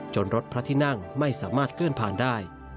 รถพระที่นั่งไม่สามารถเคลื่อนผ่านได้